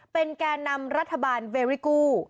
เป็นแก่นำรัฐบาลเวริกู้